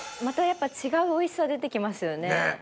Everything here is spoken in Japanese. またやっぱ違うおいしさ出て来ますよね。